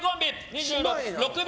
２６秒。